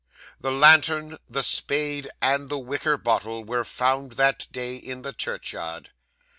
'The lantern, the spade, and the wicker bottle were found, that day, in the churchyard.